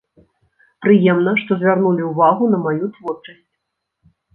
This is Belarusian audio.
Прыемна, што звярнулі ўвагу на маю творчасць.